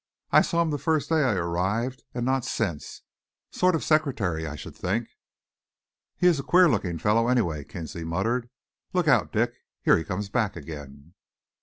"I saw him the first day I arrived and not since. Sort of secretary, I should think." "He is a queer looking fellow, anyway," Kinsley muttered. "Look out, Dick. Here he comes back again."